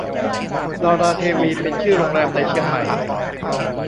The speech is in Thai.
ดาราเทวีเป็นชื่อโรงแรมในเชียงใหม่